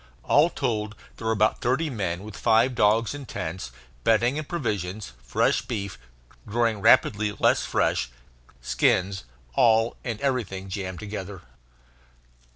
All told there were about thirty men, with five dogs and tents, bedding and provisions; fresh beef, growing rapidly less fresh; skins all and everything jammed together.